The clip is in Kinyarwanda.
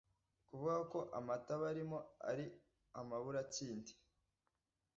kuvuga ko amata barimo ari amabura Kindi.